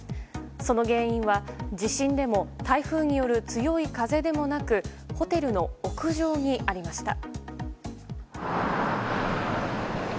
その原因は、地震でも台風による強い風でもなくホテルの屋上にありました。